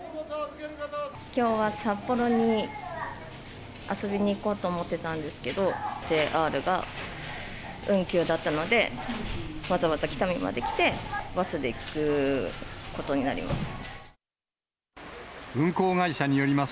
きょうは札幌に遊びに行こうと思ってたんですけど、ＪＲが運休だったので、わざわざ北見まで来て、バスで行くことになります。